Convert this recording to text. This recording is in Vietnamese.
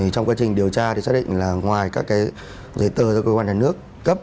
trong quá trình điều tra thì xác định là ngoài các giấy tờ do cơ quan nhà nước cấp